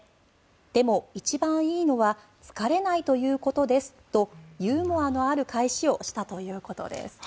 でも、一番いいのは疲れないということですとユーモアのある返しをしたということです。